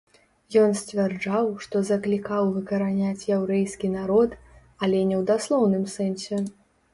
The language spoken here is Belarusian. Ён сцвярджаў, што заклікаў выкараняць яўрэйскі народ, але не ў даслоўным сэнсе.